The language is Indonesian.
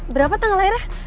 berapa tanggal lahirnya